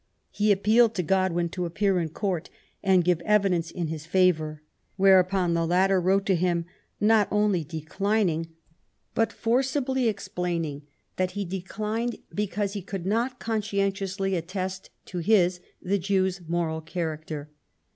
He appealed to Godwin to appear in court and give evidence in his favour; whereupon the latter wrote to him, not only declining, but forcibly explaining that he declined because he could not conscientiously attest to his, the Jew's, moral character.